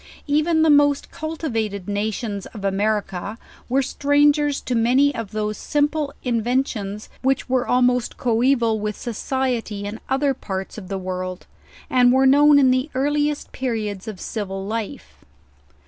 Even the most cultivated na tions of America were strangers to many of those simple in ventions, which were almost coeval with society in other parts of the world, and were known in the earliest periods of civil life.